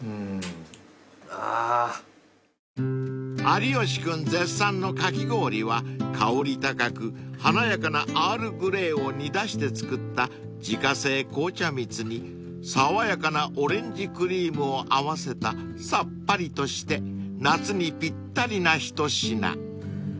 ［有吉君絶賛のかき氷は香り高く華やかなアールグレイを煮出して作った自家製紅茶蜜に爽やかなオレンジクリームを合わせたさっぱりとして夏にぴったりな一品］